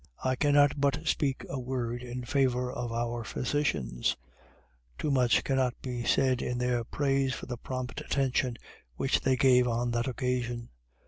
I cannot but speak a word in favor of our physicians: too much cannot be said in their praise for the prompt attention which they gave on that occasion.